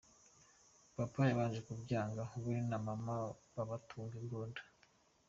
Papa yabanje kubyanga, we na mama babatunga imbunda.